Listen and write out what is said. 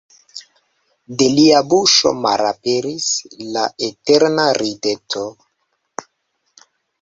De lia buŝo malaperis la eterna rideto.